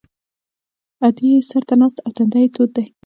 ادې یې سر ته ناسته ده او تندی یې تود دی